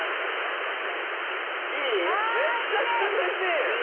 めっちゃ涼しい。